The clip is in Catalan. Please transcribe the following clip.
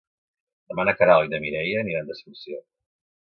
Demà na Queralt i na Mireia aniran d'excursió.